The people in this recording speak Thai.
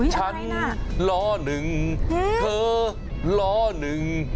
ฉันล้อหนึ่งเธอล้อหนึ่ง